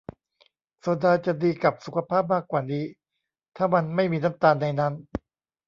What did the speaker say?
โซดาจะดีกับสุขภาพมากกว่านี้ ถ้ามันไม่มีน้ำตาลในนั้น